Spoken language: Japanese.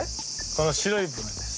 この白い部分です。